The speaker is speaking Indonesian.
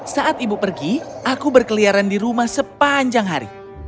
saat ibu pergi aku berkeliaran di rumah sepanjang hari